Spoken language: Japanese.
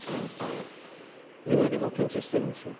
今でも緊張してるんですよ。